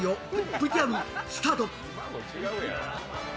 ＶＴＲスタート。